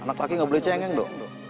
anak laki nggak boleh cengeng dong